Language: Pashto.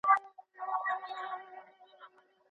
ژوندون دومره خبـره نه ده